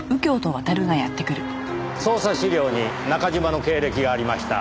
捜査資料に中嶋の経歴がありました。